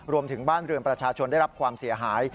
รวมถึงบ้านเรือนประชาชนได้รับความเสียหาย